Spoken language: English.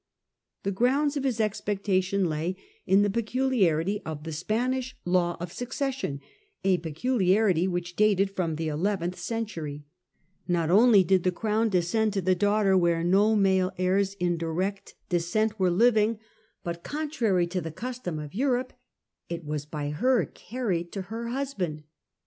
The grounds of his expectation lay in the peculiarity of the Spanish law of succession, a peculiarity which S anish law ^ ate< ^* rom eleventh century. Not only did ot P inhcrit W the crown descend to the daughter where no ance. male heirs in direct descent were living, but, contrary to the custom of Europe, it was by her carried to her husband.